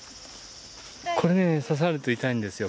これね刺されると痛いんですよ。